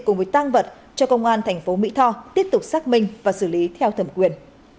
cùng với tăng vật cho công an thành phố mỹ tho tiếp tục xác minh và xử lý theo thẩm quyền